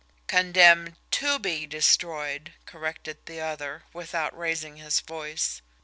"Condemned TO BE destroyed," corrected the other, without raising his voice.